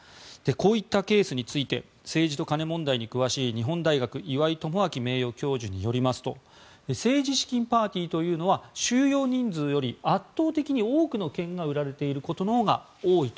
こういったケースについて政治と金の問題に詳しい日本大学岩井奉信名誉教授によりますと政治資金パーティーというのは収容人数より圧倒的に多くの券が売られていることのほうが多い